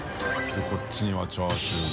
こっちにはチャーシューで。